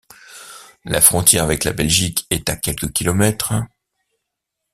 La frontière avec la Belgique est à quelques kilomètres.